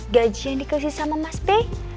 gaji yang dikasih sama mas p